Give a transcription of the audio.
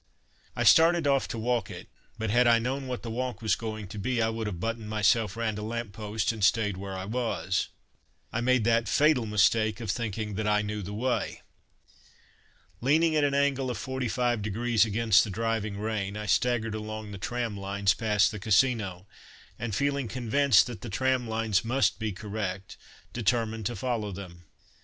I started off to walk it but had I known what that walk was going to be, I would have buttoned myself round a lamp post and stayed where I was. I made that fatal mistake of thinking that I knew the way. Leaning at an angle of forty five degrees against the driving rain, I staggered along the tram lines past the Casino, and feeling convinced that the tram lines must be correct, determined to follow them.